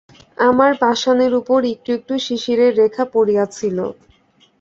আমার পাষাণের উপরে একটু একটু শিশিরের রেখা পড়িয়াছিল।